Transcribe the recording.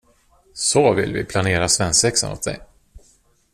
Så vi vill planera svensexan åt dig.